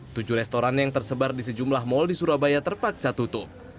tujuh restoran yang tersebar di sejumlah mal di surabaya terpaksa tutup